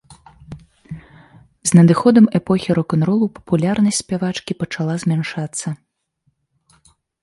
З надыходам эпохі рок-н-ролу папулярнасць спявачкі пачала змяншацца.